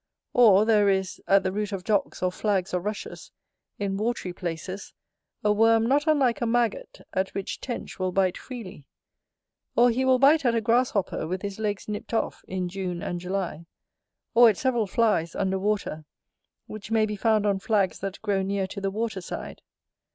Or, there is, at the root of docks or flags or rushes, in watery places, a worm not unlike a maggot, at which Tench will bite freely. Or he will bite at a grasshopper with his legs nipt off, in June and July; or at several flies, under water, which may be found on flags that grow near to the water side.